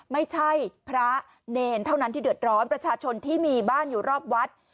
ไม่ใช่พระเนรเท่านั้นที่เดือดร้อนประชาชนที่มีบ้านอยู่รอบวัด